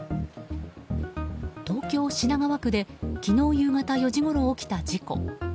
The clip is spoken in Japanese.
東京・品川区で昨日夕方４時ごろ起きた事故。